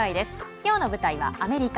きょうの舞台はアメリカ。